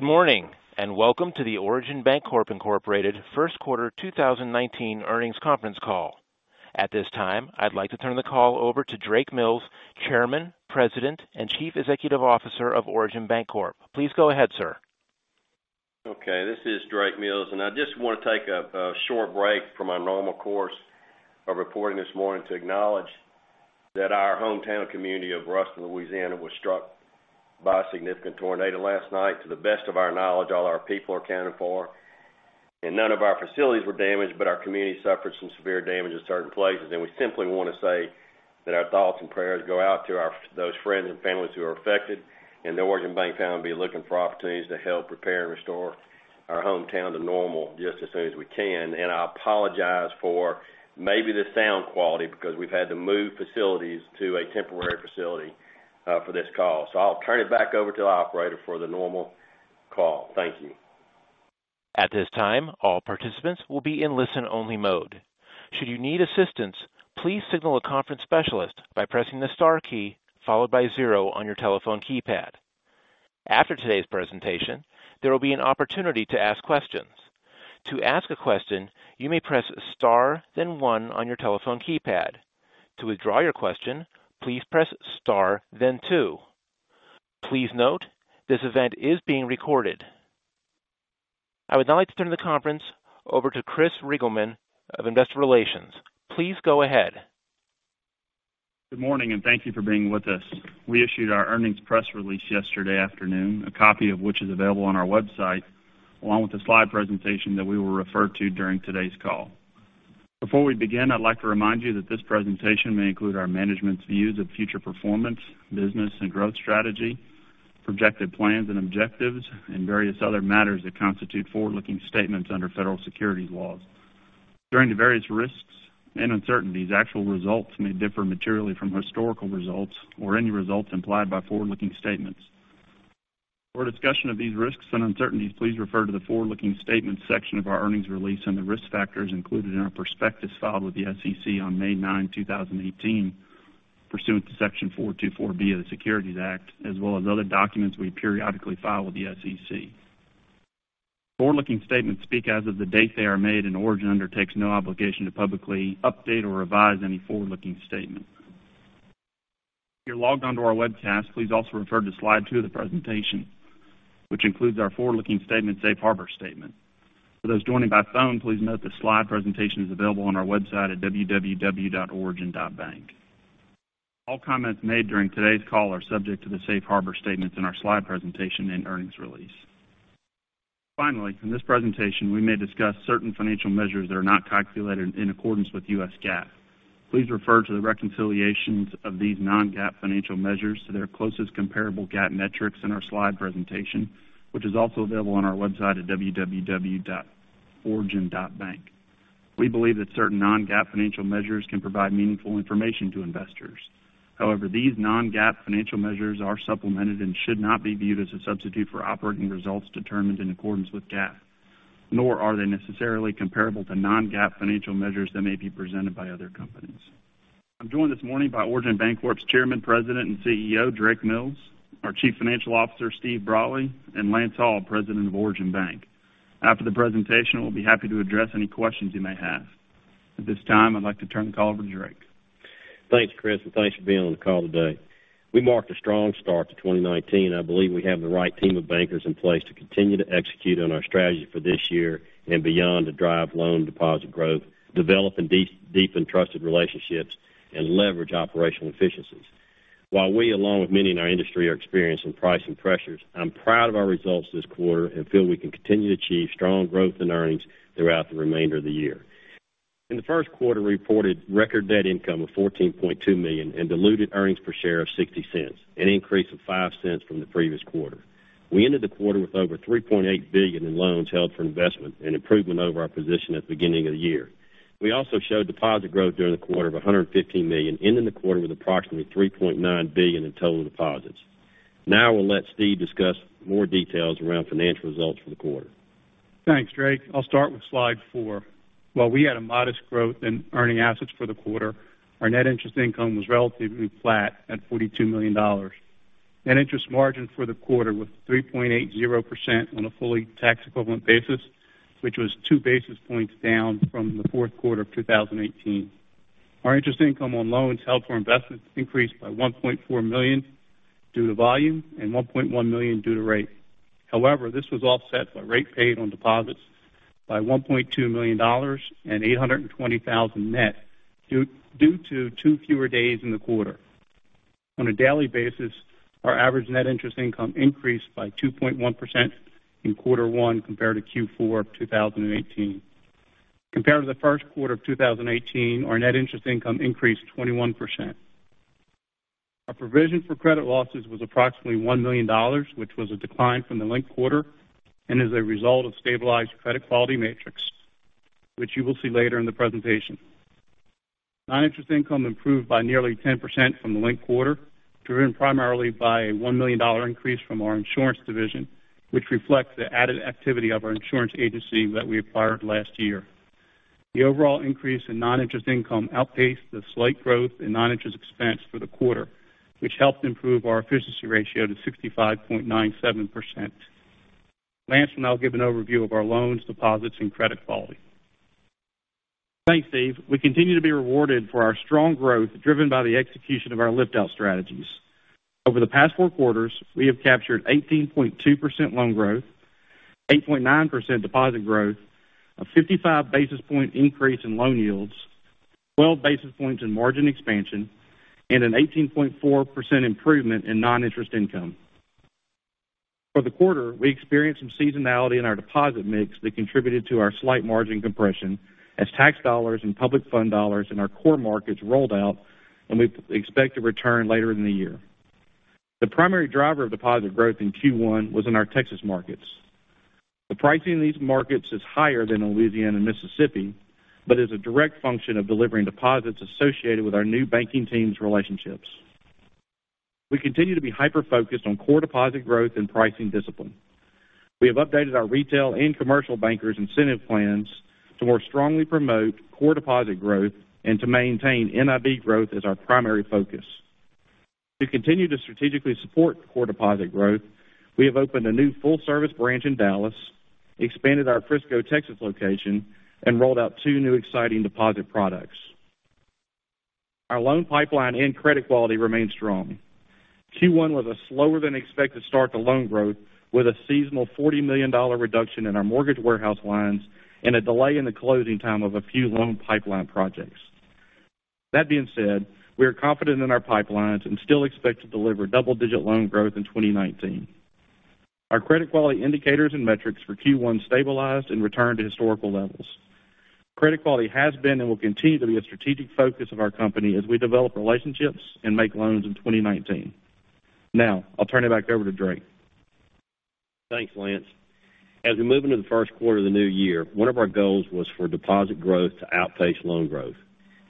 Welcome to the Origin Bancorp, Inc. First Quarter 2019 earnings conference call. At this time, I'd like to turn the call over to Drake Mills, Chairman, President, and Chief Executive Officer of Origin Bancorp. Please go ahead, sir. Okay, this is Drake Mills. I just want to take a short break from our normal course of reporting this morning to acknowledge that our hometown community of Ruston, Louisiana, was struck by a significant tornado last night. To the best of our knowledge, all our people are accounted for. None of our facilities were damaged, but our community suffered some severe damage in certain places. We simply want to say that our thoughts and prayers go out to those friends and families who are affected. The Origin Bank family will be looking for opportunities to help repair and restore our hometown to normal, just as soon as we can. I apologize for maybe the sound quality, because we've had to move facilities to a temporary facility for this call. I'll turn it back over to the operator for the normal call. Thank you. At this time, all participants will be in listen-only mode. Should you need assistance, please signal a conference specialist by pressing the star key followed by 0 on your telephone keypad. After today's presentation, there will be an opportunity to ask questions. To ask a question, you may press star, then one on your telephone keypad. To withdraw your question, please press star, then two. Please note, this event is being recorded. I would now like to turn the conference over to Chris Reigelman of Investor Relations. Please go ahead. Good morning. Thank you for being with us. We issued our earnings press release yesterday afternoon, a copy of which is available on our website, along with the slide presentation that we will refer to during today's call. Before we begin, I'd like to remind you that this presentation may include our management's views of future performance, business and growth strategy, projected plans and objectives, and various other matters that constitute forward-looking statements under federal securities laws. During the various risks and uncertainties, actual results may differ materially from historical results or any results implied by forward-looking statements. For a discussion of these risks and uncertainties, please refer to the forward-looking statements section of our earnings release and the risk factors included in our prospectus filed with the SEC on May 9, 2018, pursuant to Section 424 of the Securities Act, as well as other documents we periodically file with the SEC. Forward-looking statements speak as of the date they are made, Origin undertakes no obligation to publicly update or revise any forward-looking statement. If you're logged onto our webcast, please also refer to Slide 2 of the presentation, which includes our forward-looking statements safe harbor statement. For those joining by phone, please note the slide presentation is available on our website at www.origin.bank. All comments made during today's call are subject to the safe harbor statements in our slide presentation and earnings release. In this presentation, we may discuss certain financial measures that are not calculated in accordance with US GAAP. Please refer to the reconciliations of these non-GAAP financial measures to their closest comparable GAAP metrics in our slide presentation, which is also available on our website at www.origin.bank. We believe that certain non-GAAP financial measures can provide meaningful information to investors. However, these non-GAAP financial measures are supplemented and should not be viewed as a substitute for operating results determined in accordance with GAAP. Nor are they necessarily comparable to non-GAAP financial measures that may be presented by other companies. I'm joined this morning by Origin Bancorp's Chairman, President, and CEO, Drake Mills, our Chief Financial Officer, Stephen Brolly, and Lance Hall, President of Origin Bank. After the presentation, we'll be happy to address any questions you may have. At this time, I'd like to turn the call over to Drake. Thanks, Chris. Thanks for being on the call today. We marked a strong start to 2019. I believe we have the right team of bankers in place to continue to execute on our strategy for this year and beyond to drive loan deposit growth, develop and deepen trusted relationships, and leverage operational efficiencies. While we, along with many in our industry, are experiencing pricing pressures, I'm proud of our results this quarter and feel we can continue to achieve strong growth in earnings throughout the remainder of the year. In the first quarter, we reported record net income of $14.2 million and diluted earnings per share of $0.60, an increase of $0.05 from the previous quarter. We ended the quarter with over $3.8 billion in loans held for investment, an improvement over our position at the beginning of the year. We also showed deposit growth during the quarter of $115 million, ending the quarter with approximately $3.9 billion in total deposits. Now I will let Steve discuss more details around financial results for the quarter. Thanks, Drake. I'll start with Slide four. While we had a modest growth in earning assets for the quarter, our net interest income was relatively flat at $42 million. Net interest margin for the quarter was 3.80% on a fully tax-equivalent basis, which was two basis points down from the fourth quarter of 2018. Our interest income on loans held for investment increased by $1.4 million due to volume and $1.1 million due to rate. This was offset by rate paid on deposits by $1.2 million and $820,000 net due to two fewer days in the quarter. On a daily basis, our average net interest income increased by 2.1% in quarter one compared to Q4 of 2018. Compared to the first quarter of 2018, our net interest income increased 21%. Our provision for credit losses was approximately $1 million, which was a decline from the linked quarter and is a result of stabilized credit quality metrics, which you will see later in the presentation. Non-interest income improved by nearly 10% from the linked quarter, driven primarily by a $1 million increase from our insurance division, which reflects the added activity of our insurance agency that we acquired last year. The overall increase in non-interest income outpaced the slight growth in non-interest expense for the quarter, which helped improve our efficiency ratio to 65.97%. Lance will now give an overview of our loans, deposits, and credit quality. Thanks, Steve. We continue to be rewarded for our strong growth, driven by the execution of our lift-out strategies. Over the past 4 quarters, we have captured 18.2% loan growth, 8.9% deposit growth, a 55 basis point increase in loan yields, 12 basis points in margin expansion, and an 18.4% improvement in non-interest income. For the quarter, we experienced some seasonality in our deposit mix that contributed to our slight margin compression as tax dollars and public fund dollars in our core markets rolled out, and we expect to return later in the year. The primary driver of deposit growth in Q1 was in our Texas markets. The pricing in these markets is higher than in Louisiana and Mississippi, but is a direct function of delivering deposits associated with our new banking teams relationships. We continue to be hyper-focused on core deposit growth and pricing discipline. We have updated our retail and commercial bankers incentive plans to more strongly promote core deposit growth and to maintain NIB growth as our primary focus. To continue to strategically support core deposit growth, we have opened a new full-service branch in Dallas, expanded our Frisco, Texas location, and rolled out two new exciting deposit products. Our loan pipeline and credit quality remain strong. Q1 was a slower than expected start to loan growth, with a seasonal $40 million reduction in our mortgage warehouse lines and a delay in the closing time of a few loan pipeline projects. That being said, we are confident in our pipelines and still expect to deliver double-digit loan growth in 2019. Our credit quality indicators and metrics for Q1 stabilized and returned to historical levels. Credit quality has been and will continue to be a strategic focus of our company as we develop relationships and make loans in 2019. Now, I'll turn it back over to Drake. Thanks, Lance. As we move into the first quarter of the new year, one of our goals was for deposit growth to outpace loan growth.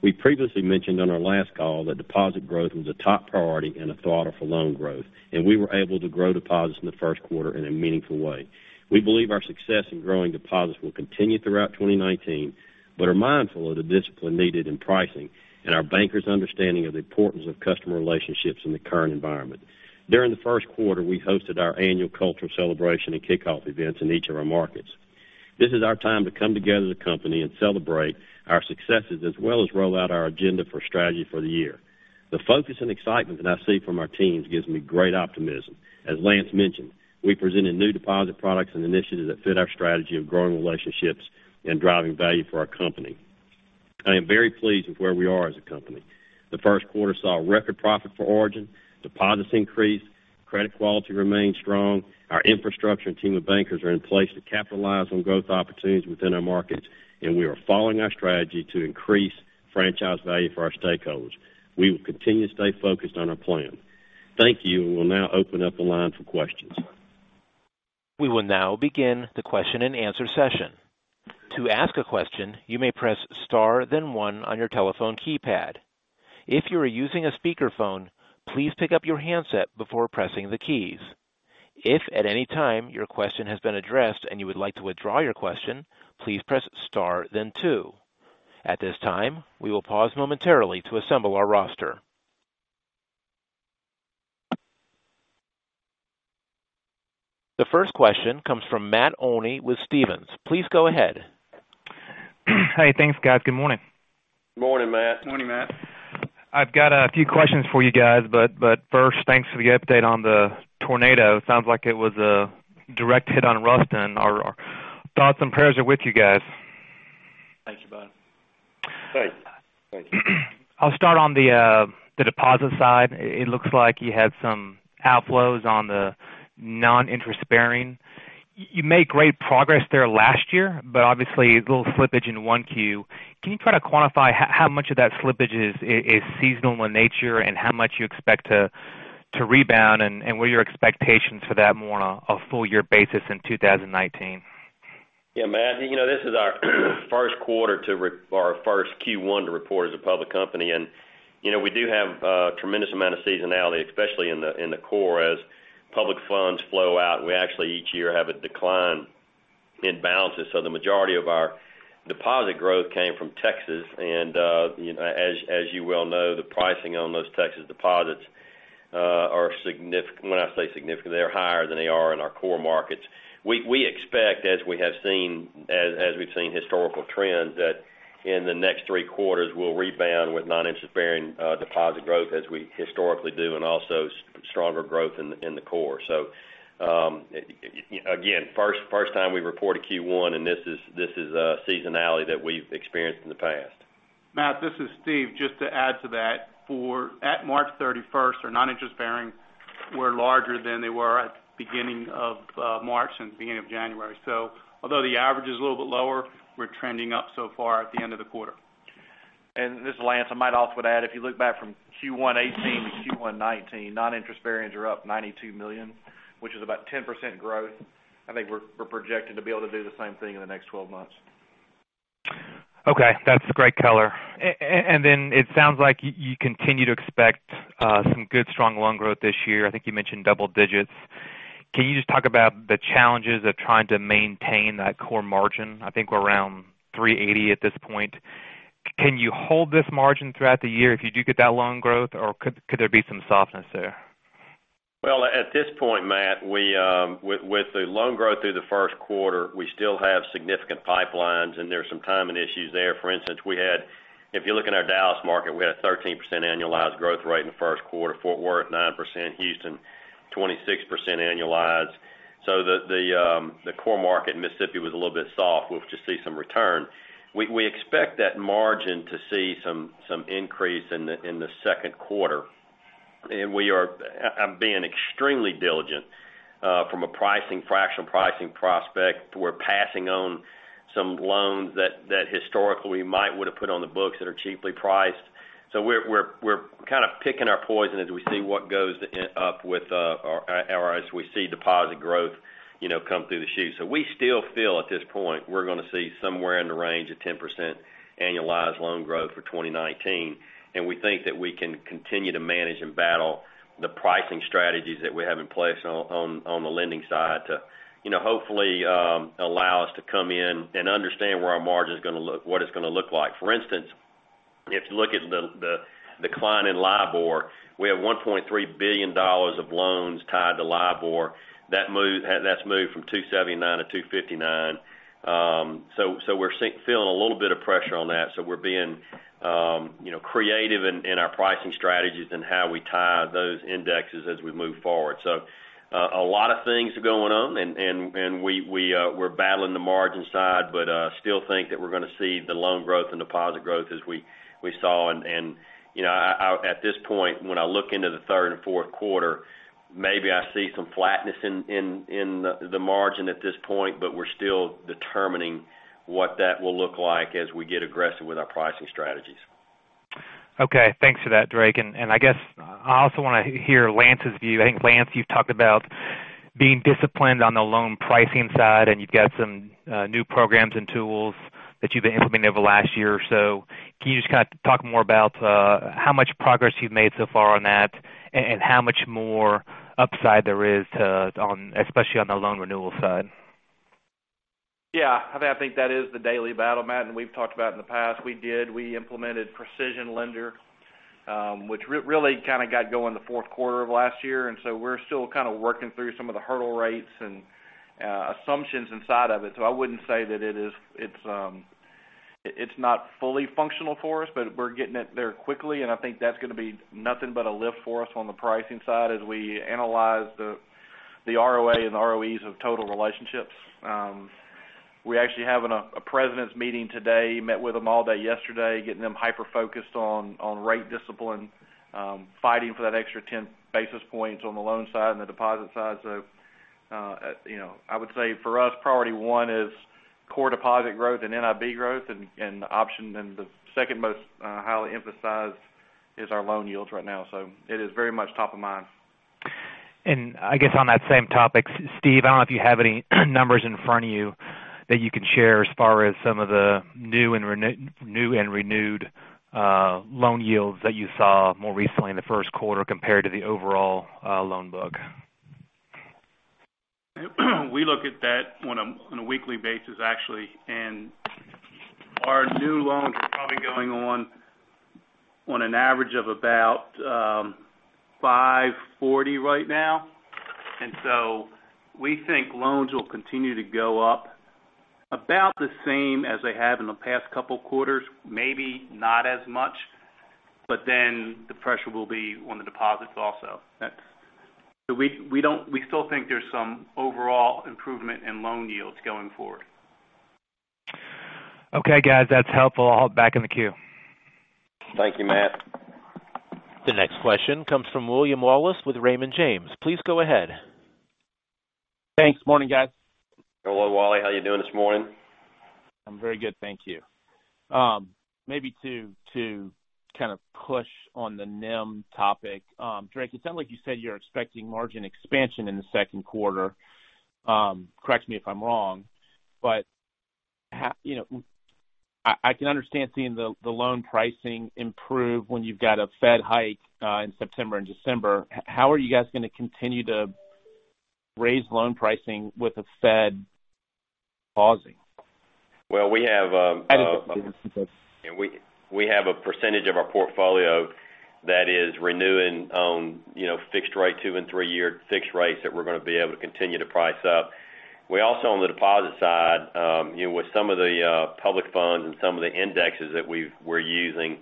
We previously mentioned on our last call that deposit growth was a top priority and a throttle for loan growth, and we were able to grow deposits in the first quarter in a meaningful way. We believe our success in growing deposits will continue throughout 2019, but are mindful of the discipline needed in pricing and our bankers' understanding of the importance of customer relationships in the current environment. During the first quarter, we hosted our annual culture celebration and kickoff events in each of our markets. This is our time to come together as a company and celebrate our successes as well as roll out our agenda for strategy for the year. The focus and excitement that I see from our teams gives me great optimism. As Lance mentioned, we presented new deposit products and initiatives that fit our strategy of growing relationships and driving value for our company. I am very pleased with where we are as a company. The first quarter saw record profit for Origin, deposits increased, credit quality remained strong, our infrastructure and team of bankers are in place to capitalize on growth opportunities within our markets, and we are following our strategy to increase franchise value for our stakeholders. We will continue to stay focused on our plan. Thank you, and we'll now open up the line for questions. We will now begin the question and answer session. To ask a question, you may press star then one on your telephone keypad. If you are using a speakerphone, please pick up your handset before pressing the keys. If at any time your question has been addressed and you would like to withdraw your question, please press star then two. At this time, we will pause momentarily to assemble our roster. The first question comes from Matt Olney with Stephens. Please go ahead. Hey, thanks, guys. Good morning. Good morning, Matt. Morning, Matt. I've got a few questions for you guys, but first, thanks for the update on the tornado. Sounds like it was a direct hit on Ruston. Our thoughts and prayers are with you guys. Thank you, bud. Thanks. I'll start on the deposit side. It looks like you had some outflows on the non-interest-bearing. You made great progress there last year, but obviously, a little slippage in 1Q. Can you try to quantify how much of that slippage is seasonal in nature, and how much you expect to rebound, and what are your expectations for that more on a full year basis in 2019? Yeah, Matt, this is our first Q1 to report as a public company, and we do have a tremendous amount of seasonality, especially in the core. As public funds flow out, we actually each year have a decline in balances. The majority of our deposit growth came from Texas, and as you well know, the pricing on those Texas deposits are significant. When I say significant, they are higher than they are in our core markets. We expect, as we've seen historical trends, that in the next three quarters, we'll rebound with non-interest-bearing deposit growth as we historically do, and also stronger growth in the core. Again, first time we report a Q1, and this is a seasonality that we've experienced in the past. Matt, this is Steve. Just to add to that, at March 31st, our non-interest-bearing were larger than they were at beginning of March and beginning of January. Although the average is a little bit lower, we're trending up so far at the end of the quarter. That's great color. It sounds like you continue to expect some good, strong loan growth this year. I think you mentioned double digits. Can you just talk about the challenges of trying to maintain that core margin? I think we're around 380 at this point. Can you hold this margin throughout the year if you do get that loan growth, or could there be some softness there? Well, at this point, Matt, with the loan growth through the first quarter, we still have significant pipelines, and there's some timing issues there. For instance, if you look in our Dallas market, we had a 13% annualized growth rate in the first quarter, Fort Worth 9%, Houston 26% annualized. The core market in Mississippi was a little bit soft. We hope to see some return. We expect that margin to see some increase in the second quarter. I'm being extremely diligent from a fractional pricing prospect. We're passing on some loans that historically we might would've put on the books that are cheaply priced. We're kind of picking our poison as we see what goes up or as we see deposit growth come through the shoots. We still feel at this point, we're going to see somewhere in the range of 10% annualized loan growth for 2019. We think that we can continue to manage and battle the pricing strategies that we have in place on the lending side to hopefully allow us to come in and understand where our margin is going to look, what it's going to look like. For instance, if you look at the decline in LIBOR, we have $1.3 billion of loans tied to LIBOR. That's moved from 279 to 259. We're feeling a little bit of pressure on that. We're being creative in our pricing strategies and how we tie those indexes as we move forward. A lot of things are going on, and we're battling the margin side, but still think that we're going to see the loan growth and deposit growth as we saw. At this point, when I look into the third and fourth quarter, maybe I see some flatness in the margin at this point, but we're still determining what that will look like as we get aggressive with our pricing strategies. Okay. Thanks for that, Drake. I guess I also want to hear Lance's view. I think, Lance, you've talked about being disciplined on the loan pricing side, and you've got some new programs and tools that you've been implementing over the last year or so. Can you just kind of talk more about how much progress you've made so far on that and how much more upside there is, especially on the loan renewal side? Yeah. I think that is the daily battle, Matt, and we've talked about in the past. We implemented PrecisionLender, which really kind of got going the fourth quarter of last year. We're still kind of working through some of the hurdle rates and assumptions inside of it. I wouldn't say that it's not fully functional for us, but we're getting it there quickly, and I think that's going to be nothing but a lift for us on the pricing side as we analyze the ROA and ROEs of total relationships. We actually having a president's meeting today, met with them all day yesterday, getting them hyper-focused on rate discipline, fighting for that extra 10 basis points on the loan side and the deposit side. I would say for us, priority 1 is core deposit growth and NIB growth, and the second most highly emphasized is our loan yields right now. It is very much top of mind. I guess on that same topic, Steve, I don't know if you have any numbers in front of you that you can share as far as some of the new and renewed loan yields that you saw more recently in the first quarter compared to the overall loan book. We look at that on a weekly basis, actually. Our new loans are probably going on an average of about 540 right now. We think loans will continue to go up about the same as they have in the past couple of quarters, maybe not as much, but then the pressure will be on the deposits also. We still think there's some overall improvement in loan yields going forward. Okay, guys, that's helpful. I'll hop back in the queue. Thank you, Matt. The next question comes from Wally Wallace with Raymond James. Please go ahead. Thanks. Morning, guys. Hello, Wally. How you doing this morning? I'm very good, thank you. Maybe to kind of push on the NIM topic. Drake, it sounded like you said you're expecting margin expansion in the second quarter. Correct me if I'm wrong, but I can understand seeing the loan pricing improve when you've got a Fed hike, in September and December. How are you guys going to continue to raise loan pricing with the Fed pausing? Well, we have- I just We have a percentage of our portfolio that is renewing on fixed rate, two and three-year fixed rates that we're going to be able to continue to price up. We also, on the deposit side, with some of the public funds and some of the indexes that we're using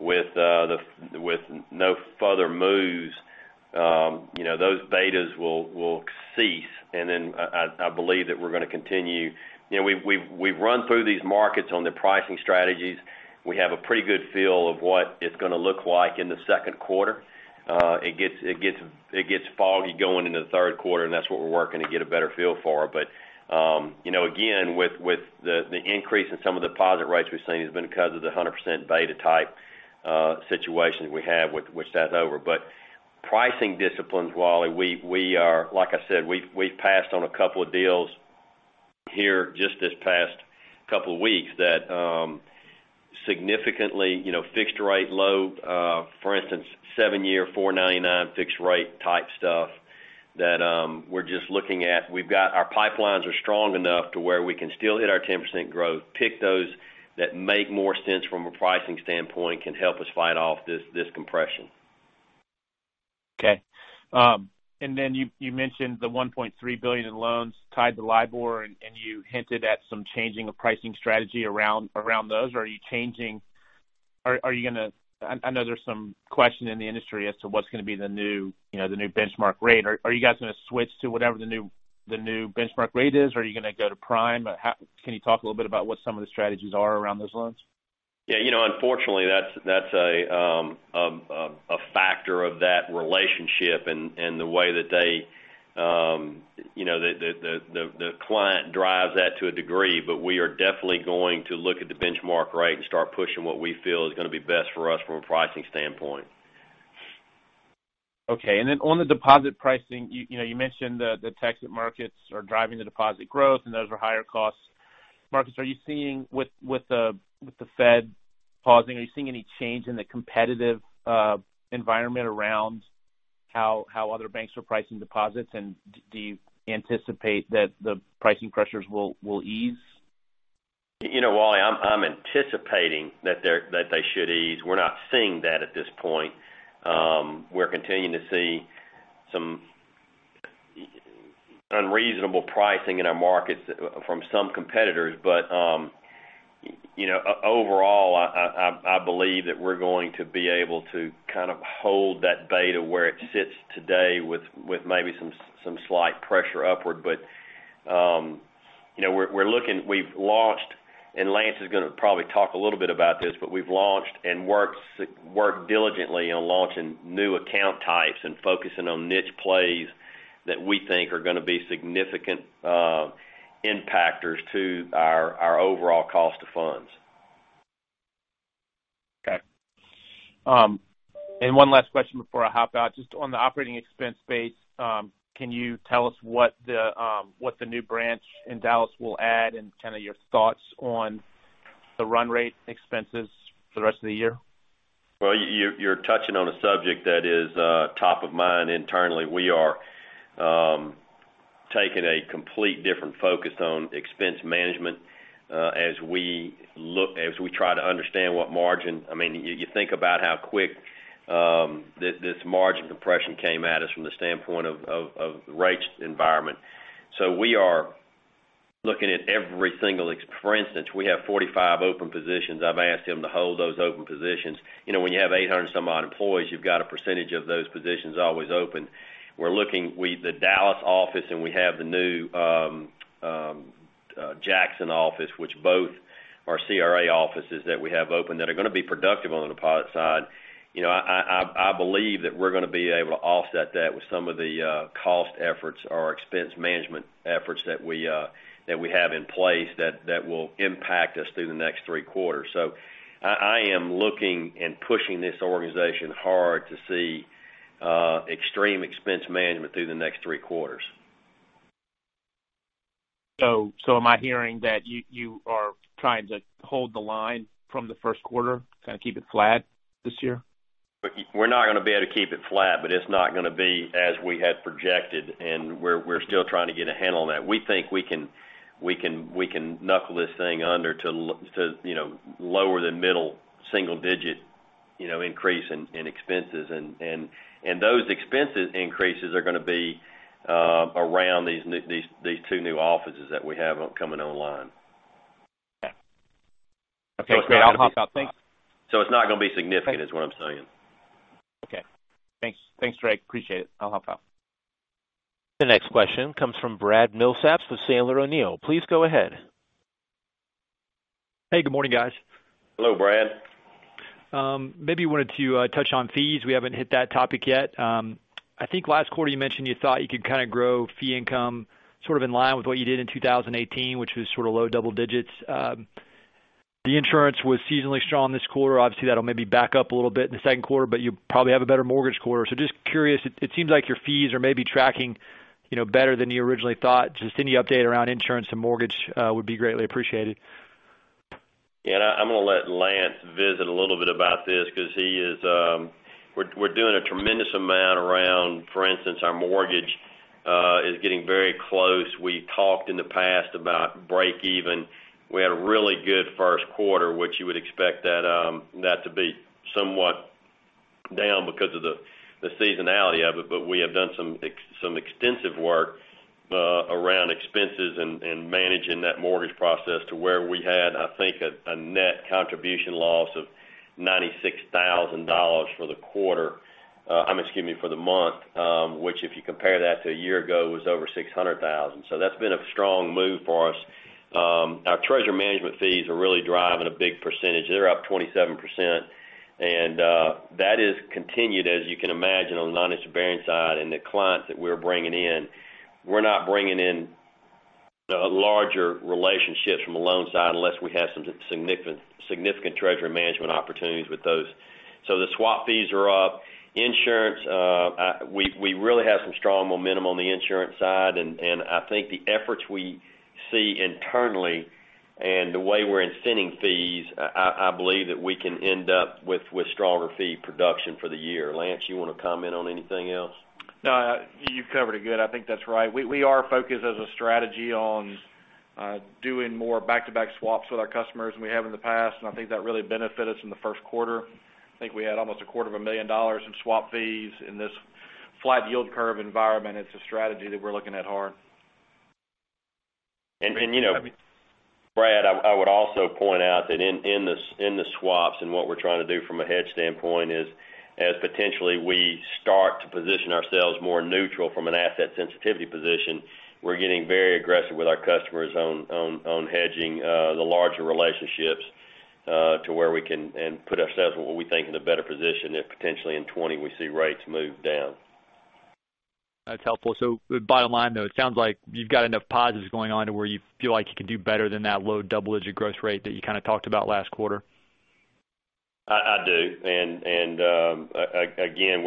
with no further moves, those betas will cease, and then I believe that we're going to continue. We've run through these markets on the pricing strategies. We have a pretty good feel of what it's going to look like in the second quarter. It gets foggy going into the third quarter, and that's what we're working to get a better feel for. Again, with the increase in some of the deposit rates we've seen has been because of the 100% beta type situation we have, which that's over. Wally, like I said, we've passed on a couple of deals here, just this past couple of weeks, that significantly fixed rate low, for instance, 7-year, 4.99% fixed rate type stuff that we're just looking at. Our pipelines are strong enough to where we can still hit our 10% growth, pick those that make more sense from a pricing standpoint, can help us fight off this compression. Okay. You mentioned the $1.3 billion in loans tied to LIBOR, and you hinted at some changing of pricing strategy around those. I know there's some question in the industry as to what's going to be the new benchmark rate. Are you guys going to switch to whatever the new benchmark rate is? Are you going to go to prime? Can you talk a little bit about what some of the strategies are around those loans? Yeah. Unfortunately, that's a factor of that relationship and the way that the client drives that to a degree. We are definitely going to look at the benchmark rate and start pushing what we feel is going to be best for us from a pricing standpoint. Okay. On the deposit pricing, you mentioned the tax markets are driving the deposit growth, and those are higher costs markets. With the Fed pausing, are you seeing any change in the competitive environment around how other banks are pricing deposits? Do you anticipate that the pricing pressures will ease? Wally, I'm anticipating that they should ease. We're not seeing that at this point. We're continuing to see some unreasonable pricing in our markets from some competitors. Overall, I believe that we're going to be able to kind of hold that beta where it sits today with maybe some slight pressure upward. We've launched, and Lance is going to probably talk a little bit about this, but we've launched and worked diligently on launching new account types and focusing on niche plays that we think are going to be significant impactors to our overall cost of funds. Okay. One last question before I hop out. Just on the operating expense base, can you tell us what the new branch in Dallas will add and kind of your thoughts on the run rate expenses for the rest of the year? Well, you're touching on a subject that is top of mind internally. We are taking a complete different focus on expense management as we try to understand. You think about how quick this margin compression came at us from the standpoint of the rates environment. We are looking at every single. For instance, we have 45 open positions. I've asked them to hold those open positions. When you have 800 and some odd employees, you've got a percentage of those positions always open. The Dallas office, and we have the new Jackson office, which both are CRA offices that we have open that are going to be productive on the deposit side. I believe that we're going to be able to offset that with some of the cost efforts or expense management efforts that we have in place that will impact us through the next three quarters. I am looking and pushing this organization hard to see extreme expense management through the next three quarters. Am I hearing that you are trying to hold the line from the first quarter, kind of keep it flat this year? We're not going to be able to keep it flat, but it's not going to be as we had projected, and we're still trying to get a handle on that. We think we can knuckle this thing under to lower than middle single digit increase in expenses. Those expenses increases are going to be around these two new offices that we have coming online. Okay. Great. I'll hop off. Thanks. It's not going to be significant, is what I'm saying. Okay. Thanks, Drake. Appreciate it. I'll hop off. The next question comes from Brad Milsaps with Sandler O'Neill. Please go ahead. Hey, good morning, guys. Hello, Brad. Maybe you wanted to touch on fees. We haven't hit that topic yet. I think last quarter you mentioned you thought you could kind of grow fee income sort of in line with what you did in 2018, which was sort of low double digits. The insurance was seasonally strong this quarter. Obviously, that'll maybe back up a little bit in the second quarter, but you probably have a better mortgage quarter. Just curious, it seems like your fees are maybe tracking better than you originally thought. Just any update around insurance and mortgage would be greatly appreciated. I'm going to let Lance visit a little bit about this because we're doing a tremendous amount around, for instance, our mortgage is getting very close. We talked in the past about break even. We had a really good first quarter, which you would expect that to be somewhat down because of the seasonality of it. We have done some extensive work around expenses and managing that mortgage process to where we had, I think, a net contribution loss of $96,000 for the month, which, if you compare that to a year ago, was over $600,000. That's been a strong move for us. Our treasury management fees are really driving a big percentage. They're up 27%, and that has continued, as you can imagine, on the non-interest-bearing side and the clients that we're bringing in. We're not bringing in larger relationships from the loan side unless we have some significant treasury management opportunities with those. The swap fees are up. Insurance, we really have some strong momentum on the insurance side, and I think the efforts we see internally and the way we're incenting fees, I believe that we can end up with stronger fee production for the year. Lance, you want to comment on anything else? You covered it good. I think that's right. We are focused, as a strategy, on doing more back-to-back swaps with our customers than we have in the past, I think that really benefited us in the first quarter. I think we had almost a quarter of a million dollars in swap fees in this flat yield curve environment. It's a strategy that we're looking at hard. Brad, I would also point out that in the swaps and what we're trying to do from a hedge standpoint is, as potentially we start to position ourselves more neutral from an asset sensitivity position, we're getting very aggressive with our customers on hedging the larger relationships to where we can put ourselves, where we think, in a better position if potentially in 2020 we see rates move down. That's helpful. The bottom line, though, it sounds like you've got enough positives going on to where you feel like you can do better than that low double-digit growth rate that you kind of talked about last quarter. I do. Again,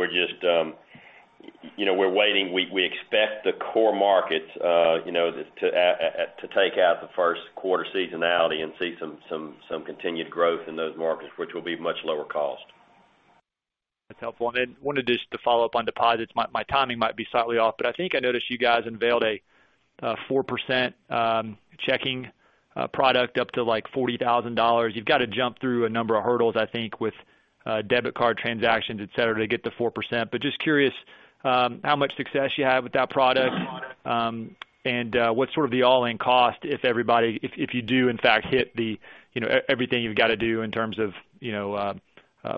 we're waiting. We expect the core markets to take out the first quarter seasonality and see some continued growth in those markets, which will be much lower cost. That's helpful. Then wanted just to follow up on deposits. My timing might be slightly off, but I think I noticed you guys unveiled a 4% checking product up to like $40,000. You've got to jump through a number of hurdles, I think, with debit card transactions, et cetera, to get to 4%. Just curious how much success you have with that product, and what sort of the all-in cost if you do in fact hit everything you've got to do in terms of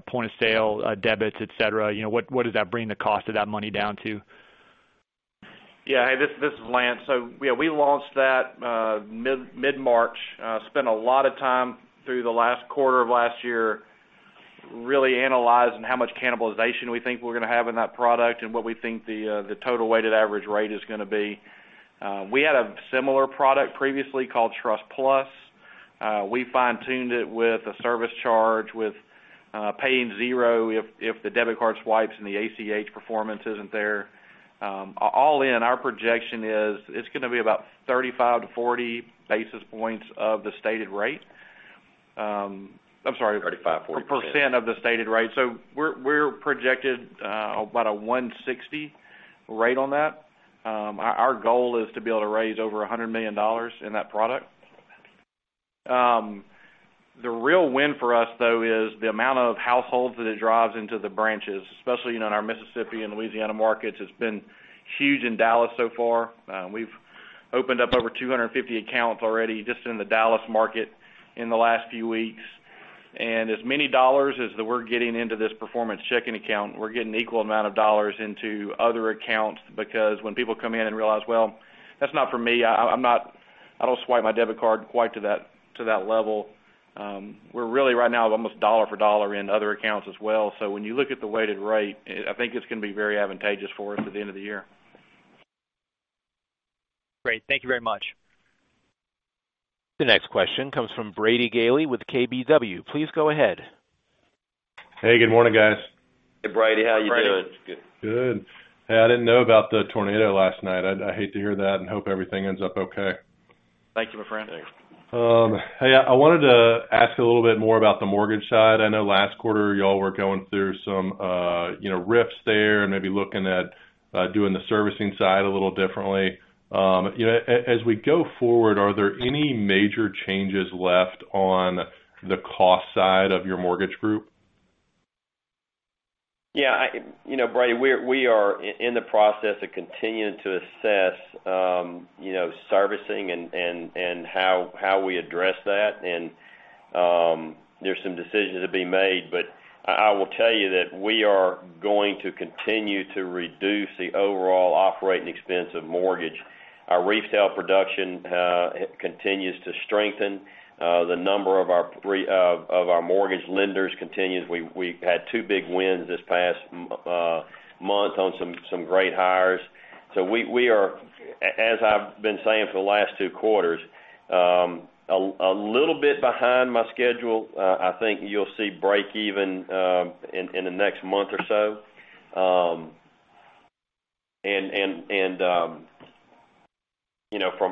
point of sale, debits, et cetera, what does that bring the cost of that money down to? Yeah. Hey, this is Lance. We launched that mid-March. Spent a lot of time through the last quarter of last year really analyzing how much cannibalization we think we're going to have in that product and what we think the total weighted average rate is going to be. We had a similar product previously called Trust Plus. We fine-tuned it with a service charge, with paying zero if the debit card swipes and the ACH performance isn't there. All in, our projection is it's going to be about 35 to 40 basis points of the stated rate. I'm sorry- 35%, 40% percent of the stated rate. We're projected about a 160 rate on that. Our goal is to be able to raise over $100 million in that product. The real win for us, though, is the amount of households that it drives into the branches, especially in our Mississippi and Louisiana markets. It's been huge in Dallas so far. We've opened up over 250 accounts already just in the Dallas market in the last few weeks. As many dollars as we're getting into this performance checking account, we're getting equal amount of dollars into other accounts because when people come in and realize, "Well, that's not for me. I don't swipe my debit card quite to that level." We're really right now almost dollar for dollar in other accounts as well. When you look at the weighted rate, I think it's going to be very advantageous for us at the end of the year. Great. Thank you very much. The next question comes from Brady Gailey with KBW. Please go ahead. Hey, good morning, guys. Hey, Brady. How are you doing? Hey, Brady. Good. Hey, I didn't know about the tornado last night. I hate to hear that and hope everything ends up okay. Thank you, my friend. Thanks. Hey, I wanted to ask a little bit more about the mortgage side. I know last quarter, you all were going through some RIFs there and maybe looking at doing the servicing side a little differently. As we go forward, are there any major changes left on the cost side of your mortgage group? Yeah. Brady, we are in the process of continuing to assess servicing and how we address that. There's some decisions to be made. I will tell you that we are going to continue to reduce the overall operating expense of mortgage. Our resale production continues to strengthen. The number of our mortgage lenders continues. We've had two big wins this past month on some great hires. We are, as I've been saying for the last two quarters, a little bit behind my schedule. I think you'll see break even in the next month or so.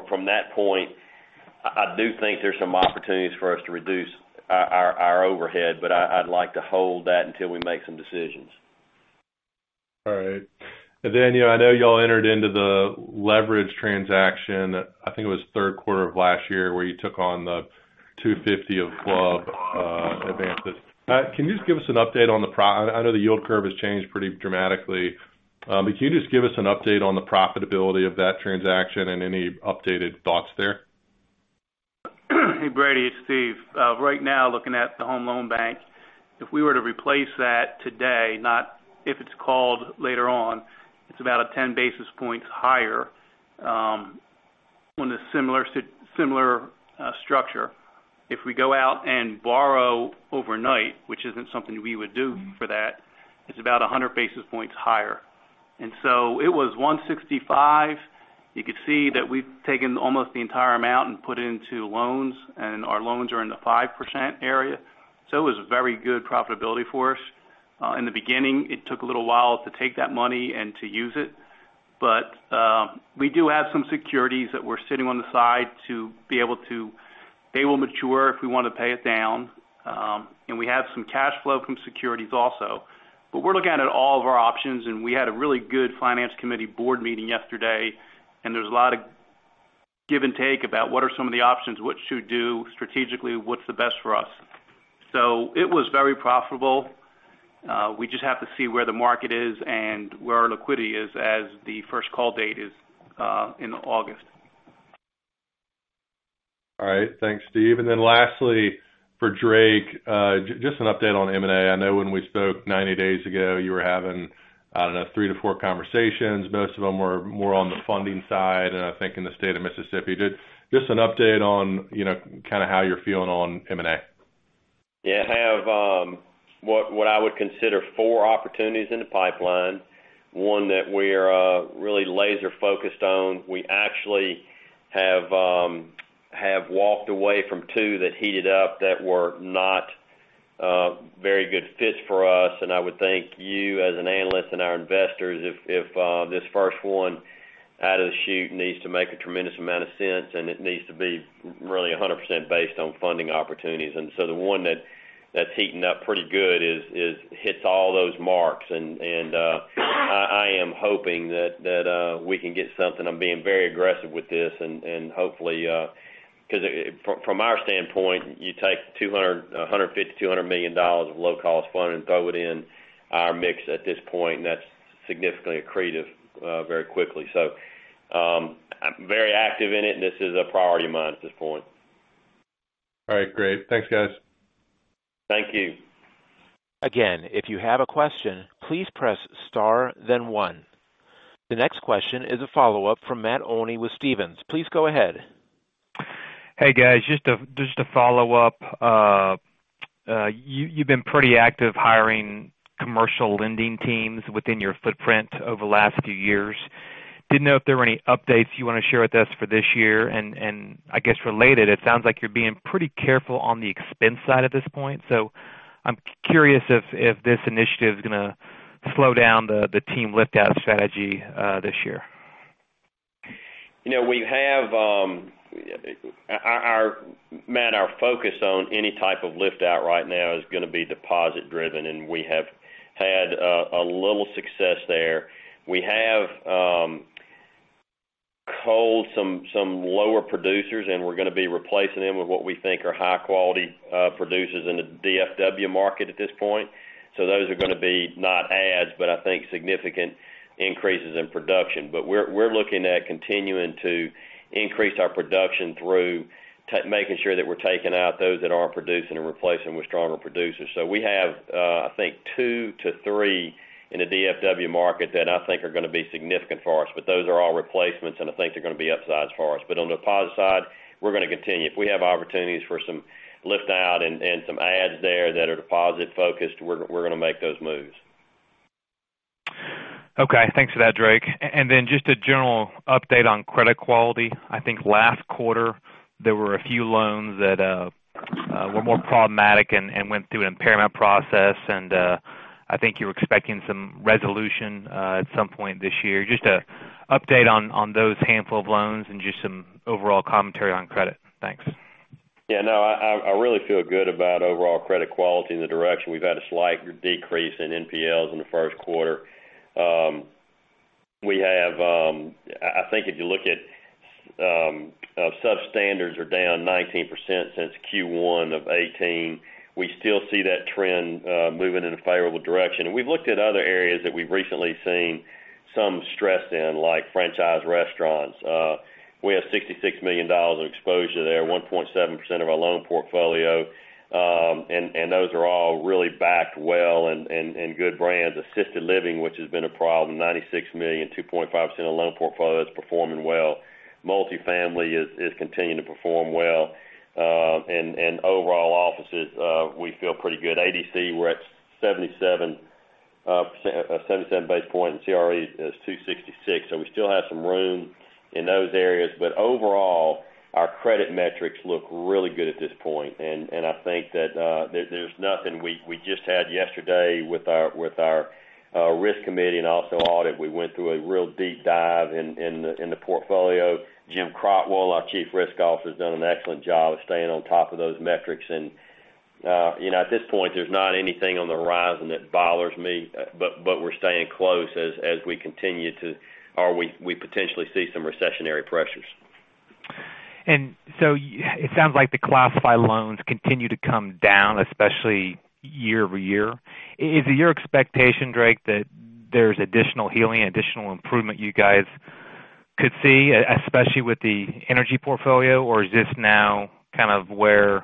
From that point, I do think there's some opportunities for us to reduce our overhead, but I'd like to hold that until we make some decisions. All right. Then, I know you all entered into the leverage transaction, I think it was third quarter of last year, where you took on the 250 of FHLB advances. I know the yield curve has changed pretty dramatically, can you just give us an update on the profitability of that transaction and any updated thoughts there? Hey, Brady, it's Steve. Right now, looking at the Federal Home Loan Bank, if we were to replace that today, not if it's called later on, it's about a 10 basis points higher on the similar structure. If we go out and borrow overnight, which isn't something we would do for that It's about 100 basis points higher. It was 165. You could see that we've taken almost the entire amount and put into loans, and our loans are in the 5% area. It was very good profitability for us. In the beginning, it took a little while to take that money and to use it. We do have some securities that were sitting on the side to be able to. They will mature if we want to pay it down. We have some cash flow from securities also. We're looking at all of our options. We had a really good finance committee board meeting yesterday, and there's a lot of give and take about what are some of the options, what to do strategically, what's the best for us. It was very profitable. We just have to see where the market is and where our liquidity is as the first call date is in August. All right. Thanks, Steve. Lastly, for Drake, just an update on M&A. I know when we spoke 90 days ago, you were having, I don't know, three to four conversations. Most of them were more on the funding side, and I think in the state of Mississippi. Just an update on kind of how you're feeling on M&A. Yeah. I have, what I would consider four opportunities in the pipeline. One that we're really laser-focused on. We actually have walked away from two that heated up that were not very good fits for us. I would thank you as an analyst and our investors if this first one out of the chute needs to make a tremendous amount of sense, and it needs to be really 100% based on funding opportunities. The one that's heating up pretty good hits all those marks. I am hoping that we can get something. I'm being very aggressive with this and hopefully. Because from our standpoint, you take $150 million-$200 million of low-cost funding and throw it in our mix at this point, and that's significantly accretive very quickly. I'm very active in it, and this is a priority of mine at this point. All right, great. Thanks, guys. Thank you. If you have a question, please press star then one. The next question is a follow-up from Matt Olney with Stephens. Please go ahead. Hey, guys. Just a follow-up. You've been pretty active hiring commercial lending teams within your footprint over the last few years. Didn't know if there were any updates you want to share with us for this year. I guess related, it sounds like you're being pretty careful on the expense side at this point. I'm curious if this initiative is going to slow down the team lift-out strategy this year. Matt, our focus on any type of lift-out right now is going to be deposit driven, we have had a little success there. We have culled some lower producers, we're going to be replacing them with what we think are high-quality producers in the DFW market at this point. Those are going to be not adds, but I think significant increases in production. We're looking at continuing to increase our production through making sure that we're taking out those that aren't producing and replacing with stronger producers. We have, I think two to three in the DFW market that I think are going to be significant for us, but those are all replacements, and I think they're going to be upside as far as. On the deposit side, we're going to continue. If we have opportunities for some lift-out and some adds there that are deposit-focused, we're going to make those moves. Okay. Thanks for that, Drake. Just a general update on credit quality. I think last quarter, there were a few loans that were more problematic and went through an impairment process, and I think you were expecting some resolution at some point this year. Just an update on those handful of loans and just some overall commentary on credit. Thanks. Yeah, no, I really feel good about overall credit quality and the direction. We've had a slight decrease in NPLs in the first quarter. I think if you look at substandards are down 19% since Q1 of 2018. We still see that trend moving in a favorable direction. We've looked at other areas that we've recently seen some stress in, like franchise restaurants. We have $66 million of exposure there, 1.7% of our loan portfolio. Those are all really backed well and good brands. Assisted living, which has been a problem, $96 million, 2.5% of loan portfolio. That's performing well. Multifamily is continuing to perform well. Overall offices, we feel pretty good. ADC, we're at 77 basis points, CRE is 266. We still have some room in those areas. Overall, our credit metrics look really good at this point. I think that there's nothing. We just had yesterday with our risk committee and also audit, we went through a real deep dive in the portfolio. Jim Crotwell, our Chief Risk Officer, has done an excellent job of staying on top of those metrics. At this point, there's not anything on the horizon that bothers me. We're staying close as we or we potentially see some recessionary pressures. It sounds like the classified loans continue to come down, especially year-over-year. Is it your expectation, Drake, that there's additional healing, additional improvement you guys could see, especially with the energy portfolio? Or is this now kind of where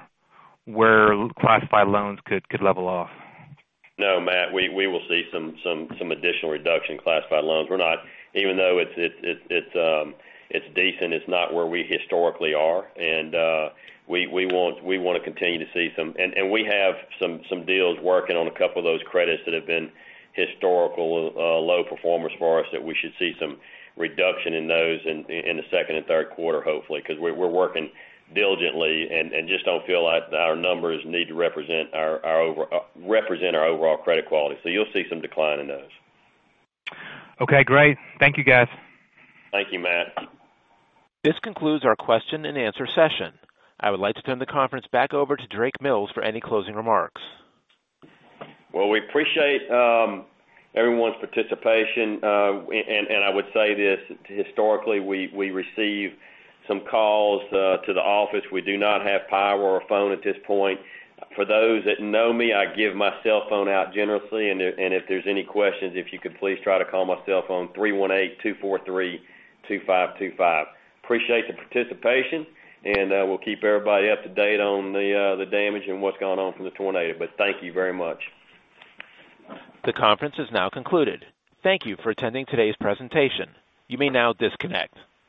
classified loans could level off? No, Matt, we will see some additional reduction in classified loans. Even though it's decent, it's not where we historically are. We have some deals working on a couple of those credits that have been historical low performers for us that we should see some reduction in those in the second and third quarter, hopefully. Because we're working diligently and just don't feel like our numbers need to represent our overall credit quality. You'll see some decline in those. Okay, great. Thank you, guys. Thank you, Matt. This concludes our question and answer session. I would like to turn the conference back over to Drake Mills for any closing remarks. Well, we appreciate everyone's participation. I would say this, historically, we receive some calls to the office. We do not have power or phone at this point. For those that know me, I give my cell phone out generously, and if there's any questions, if you could please try to call my cell phone 318-243-2525. Appreciate the participation, and we'll keep everybody up to date on the damage and what's going on from the tornado. Thank you very much. The conference is now concluded. Thank you for attending today's presentation. You may now disconnect.